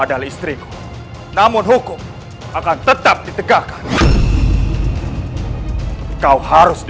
dia berhasil mengalahkan pak laguna